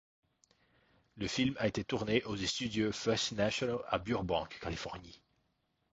Le film a été tourné aux studios First National à Burbank, Californie.